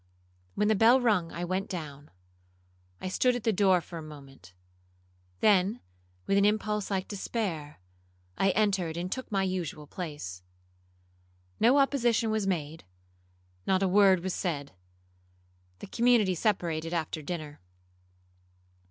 When the bell rung I went down. I stood at the door for a moment,—then, with an impulse like despair, I entered and took my usual place. No opposition was made,—not a word was said. The community separated after dinner.